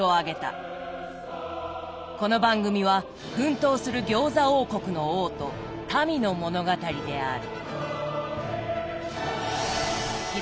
この番組は奮闘する餃子王国の王と民の物語である。